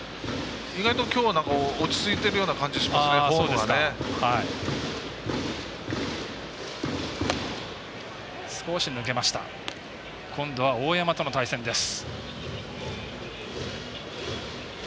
意外と、きょうは落ち着いている感じしますね今度は大山との対戦です。